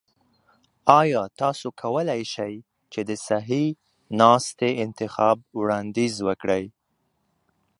ایا تاسو کولی شئ د صحي ناستي انتخاب وړاندیز وکړئ؟